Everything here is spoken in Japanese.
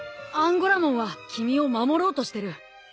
アンゴラモンは君を守ろうとしてる。